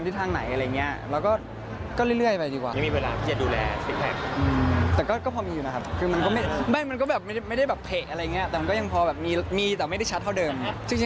ยังมีเวลาอาจอยู่เดียว